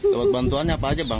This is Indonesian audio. dapat bantuannya apa aja bang